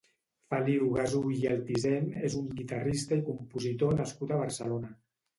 Feliu Gasull i Altisent és un guitarrista i compositor nascut a Barcelona.